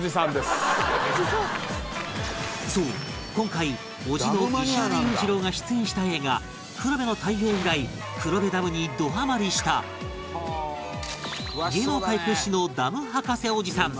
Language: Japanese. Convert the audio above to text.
そう今回叔父の石原裕次郎が出演した映画『黒部の太陽』以来黒部ダムにどハマりした芸能界屈指のダム博士おじさん